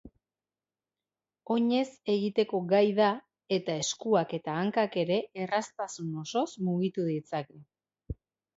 Oinez egiteko gai da eta eskuak eta hankak ere erraztasun osoz mugitu ditzake.